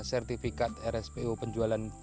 sertifikat rspo penjualan